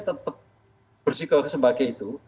tetap bersikukuh seperti itu